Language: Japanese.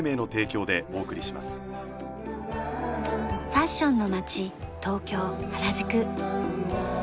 ファッションの街東京原宿。